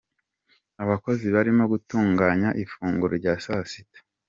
Abakozi barimo gutunganya ifunguro rya saa sita.